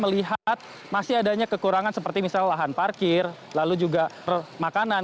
melihat masih adanya kekurangan seperti misalnya lahan parkir lalu juga makanan